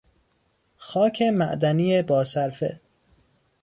خاک معدنی با صرفه